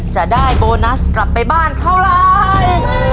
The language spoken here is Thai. จะได้โบนัสกลับไปบ้านเท่าไร